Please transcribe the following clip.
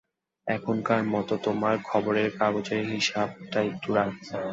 এখনকার মতো তোমার খবরের কাগজের হিসাবটা একটু রাখবে!